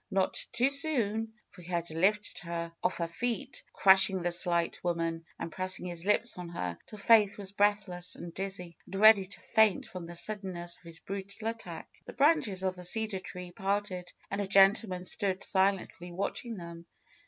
Not too soon, for he had lifted her off her feet, crush ing the slight woman, and pressing his lips on hers till Faith was breathless and dizzy, and ready to faint from the suddenness of his brutal attack. The branches of the cedar trees parted and a gen tleman stood silently watching them.